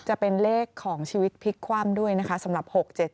จะเป็นเลขของชีวิตพลิกคว่ำด้วยนะคะสำหรับ๖๗๗